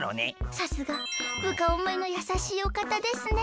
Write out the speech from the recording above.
さすがぶかおもいのやさしいおかたですね。